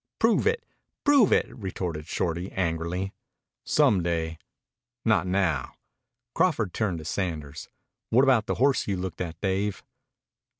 "Prove it! Prove it!" retorted Shorty angrily. "Some day not now." Crawford turned to Sanders. "What about the horse you looked at, Dave?"